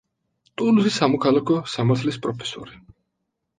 ტულუზის სამოქალაქო სამართლის პროფესორი.